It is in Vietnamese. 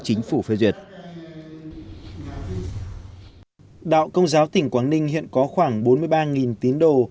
chính phủ phê duyệt đạo công giáo tỉnh quảng ninh hiện có khoảng bốn mươi ba tín đồ